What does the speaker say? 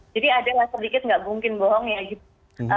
jadi adalah sedikit nggak mungkin bohong ya gitu